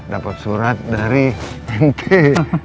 dapat surat dari minggi